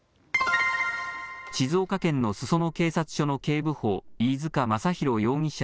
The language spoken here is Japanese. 静岡県の裾野警察署の警部補、飯塚雅浩容疑者